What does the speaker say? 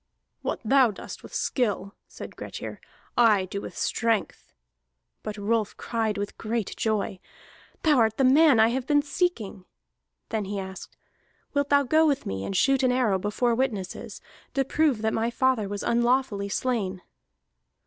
"What thou dost with skill," said Grettir, "I do with strength." But Rolf cried with great joy: "Thou art the man I have been seeking!" Then he asked: "Wilt thou go with me and shoot an arrow before witnesses, to prove that my father was unlawfully slain?"